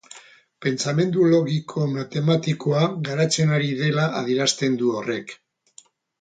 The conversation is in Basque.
Pentsamendu logiko-matematikoa garatzen ari dela adierazten du horrek.